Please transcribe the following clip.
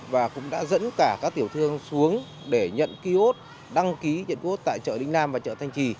và cũng đã dẫn cả các tiểu thương xuống để nhận kiosk đăng ký tiểu thương tại chợ đinh nam và chợ thanh trì